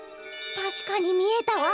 たしかにみえたわ。